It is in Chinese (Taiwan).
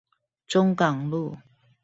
中港路